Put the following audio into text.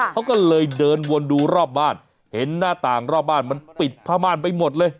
เขาก็เลยเดินวนดูรอบบ้านเห็นหน้าต่างรอบบ้านมันปิดผ้าม่านไปหมดเลย